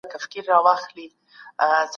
د مېوو استعمال د بدن طاقت زیاتوي.